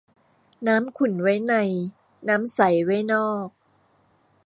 น้ำขุ่นไว้ในน้ำใสไว้นอก